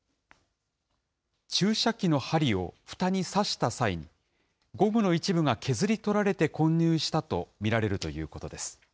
注射器の針をふたに刺した際、ゴムの一部が削り取られて混入したと見られるということです。